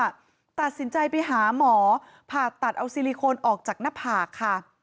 ตัดสินใจไปหาหมอผ่าตัดเอาซิลิโคนออกจากหน้าผากค่ะ